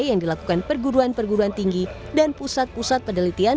yang dilakukan perguruan perguruan tinggi dan pusat pusat penelitian